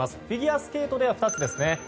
フィギュアスケートでは２つですね。